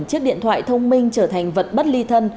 chiếc điện thoại thông minh trở thành vật bất ly thân